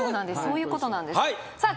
そういうことなんですさあ